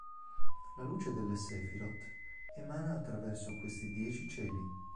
La luce delle Sefirot emana attraverso questi Dieci Cieli.